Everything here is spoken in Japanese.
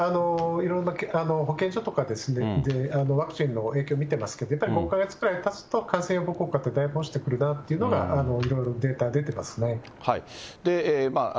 いろんな保健所とかでワクチンの影響見てますけど、やっぱり５か月くらいたつと、感染予防効果って、だいぶ落ちてくるなというのが、いろいろデータ出てますね。